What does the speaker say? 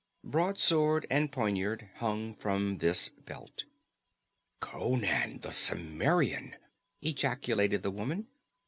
Broadsword and poniard hung from this belt. "Conan, the Cimmerian!" ejaculated the woman.